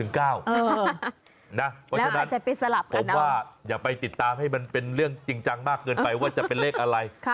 เพราะฉะนั้นผมว่าอย่าไปติดตามให้มันเป็นเรื่องจริงจังมากเกินไปว่าจะเป็นเลขอะไร